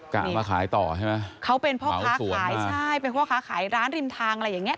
เอามาขายต่อใช่ไหมเขาเป็นพ่อค้าขายใช่เป็นพ่อค้าขายร้านริมทางอะไรอย่างเงี้